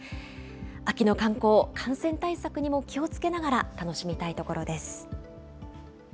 秋の観光、感染対策にも気をつけながら楽しみたいところです。